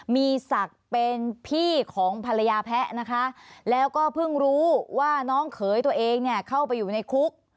มีศักดิ์เป็นพี่ของภรรยาแพ้นะคะแล้วก็เพิ่งรู้ว่าน้องเขยตัวเองเนี่ยเข้าไปอยู่ในคุก